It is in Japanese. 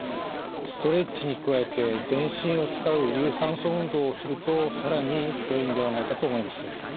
ストレッチに加えて全身を使う有酸素運動をすると更によいんではないかと思います。